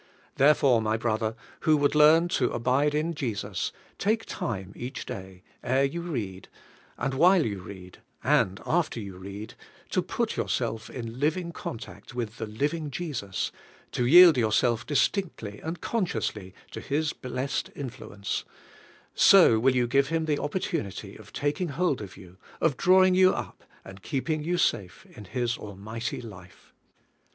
Therefore, my brother, who would learn to abide in Jesus, take time each day, ere you read, and while you read, and after you read, to put your self into living contact with the living Jesus, to yield yourself distinctly and consciously to His blessed influence; so will you give Him the opportunity of taking hold of you, of drawing you up and keeping you safe in His almighty life.